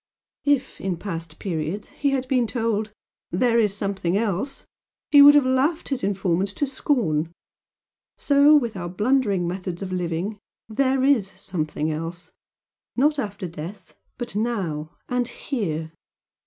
If, in past periods, he had been told 'there is something else' he would have laughed his informant to scorn. So with our blundering methods of living 'there is something else' not after death, but NOW and HERE.